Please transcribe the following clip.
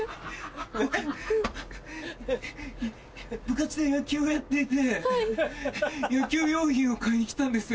部活で野球をやっていて野球用品を買いに来たんです。